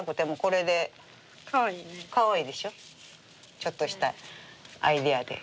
ちょっとしたアイデアで。